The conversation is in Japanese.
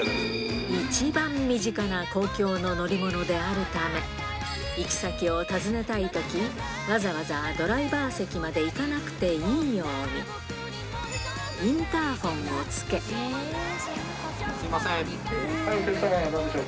一番身近な公共の乗り物であるため、行き先を尋ねたいとき、わざわざドライバー席まで行かなくていいように、すみません。